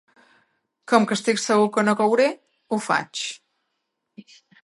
Com que estic segur que no cauré, ho faig.